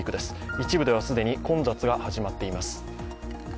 一部では既に混雑が始まっています。